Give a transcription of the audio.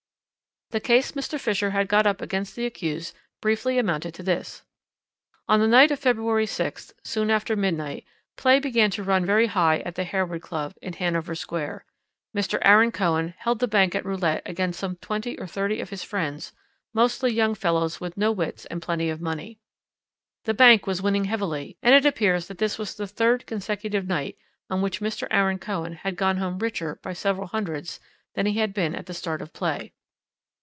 "The case Mr. Fisher had got up against the accused briefly amounted to this: "On the night of February 6th, soon after midnight, play began to run very high at the Harewood Club, in Hanover Square. Mr. Aaron Cohen held the bank at roulette against some twenty or thirty of his friends, mostly young fellows with no wits and plenty of money. 'The Bank' was winning heavily, and it appears that this was the third consecutive night on which Mr. Aaron Cohen had gone home richer by several hundreds than he had been at the start of play.